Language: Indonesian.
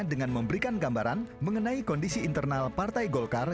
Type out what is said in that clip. dengan memberikan gambaran mengenai kondisi internal partai golkar